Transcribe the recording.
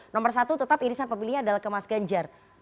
nomor satu tetap irisan pemilihnya adalah ke mas ganjar